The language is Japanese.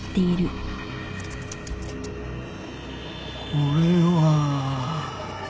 これは。